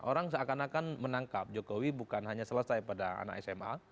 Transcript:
orang seakan akan menangkap jokowi bukan hanya selesai pada anak sma